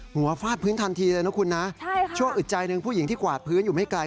ฟาดพื้นทันทีเลยนะคุณนะชั่วอึดใจหนึ่งผู้หญิงที่กวาดพื้นอยู่ไม่ไกล